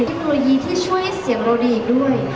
เทคโนโลยีที่ช่วยเสียงเราดีอีกด้วย